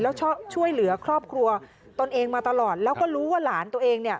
แล้วช่วยเหลือครอบครัวตนเองมาตลอดแล้วก็รู้ว่าหลานตัวเองเนี่ย